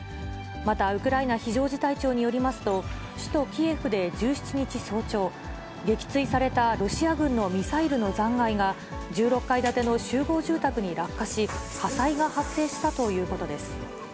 またウクライナ非常事態庁によりますと、首都キエフで１７日早朝、撃墜されたロシア軍のミサイルの残骸が、１６階建ての集合住宅に落下し、火災が発生したということです。